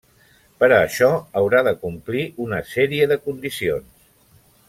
Per a això haurà de complir una sèrie de condicions.